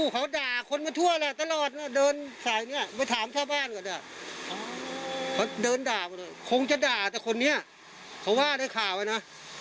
เค้าเดินด่าคงจะด่าแต่คนเนี่ยเค้าว่าได้ข่าวอะนะ